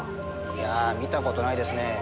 いや見た事ないですね。